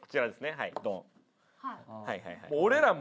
はいドン！